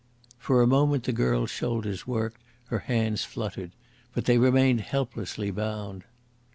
For a moment the girl's shoulders worked, her hands fluttered. But they remained helplessly bound.